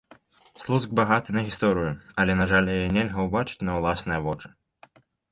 Слуцк багаты на гісторыю, але, на жаль, яе нельга ўбачыць на ўласныя вочы.